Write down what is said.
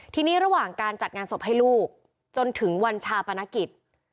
ทีนี้ระหว่างการจัดงานศพให้ลูกจนถึงวันชาปนกิจ